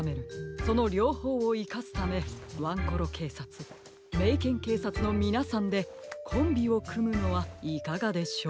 そのりょうほうをいかすためワンコロけいさつメイケンけいさつのみなさんでコンビをくむのはいかがでしょう？